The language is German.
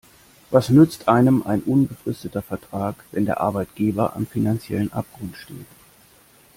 Was nützt einem ein unbefristeter Vertrag, wenn der Arbeitgeber am finanziellen Abgrund steht?